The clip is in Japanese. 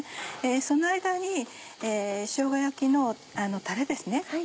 その間にしょうが焼きのたれですね。